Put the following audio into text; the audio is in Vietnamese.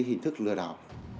hình thức lừa đảo